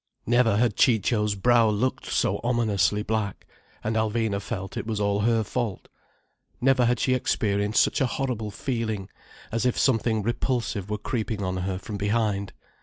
Never had Ciccio's brow looked so ominously black. And Alvina felt it was all her fault. Never had she experienced such a horrible feeling: as if something repulsive were creeping on her from behind.